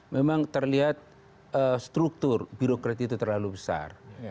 memang terlihat struktur birokrat itu terlalu besar